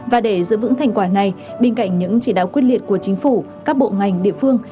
và để giữ vững thành quả này bên cạnh những chỉ đạo quyết liệt của chính phủ các bộ ngành địa phương